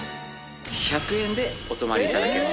１００円でお泊まり頂けます。